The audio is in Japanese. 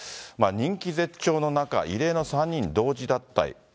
人気絶頂の中、異例の３人同時脱退。